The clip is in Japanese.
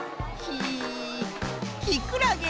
きくらげ。